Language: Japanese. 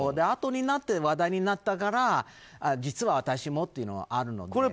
あとになって話題になったから実は私もっていうのはあるので。